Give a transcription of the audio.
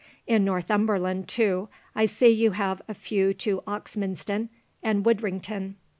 In Northumberland too, I see you have a few to Oxminston, and Widdrington.